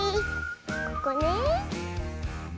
ここねえ。